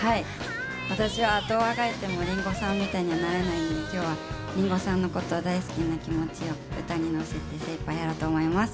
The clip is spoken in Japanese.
私はどうあがいても林檎さんみたいになれないので今日は林檎さんのことを大好きな気持ちを歌に乗せてせいいっぱいやろうと思います。